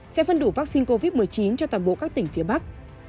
sẽ phân đủ vaccine covid một mươi chín cho toàn bộ các tỉnh phía bắc